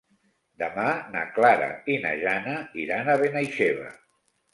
Demà na Clara i na Jana iran a Benaixeve.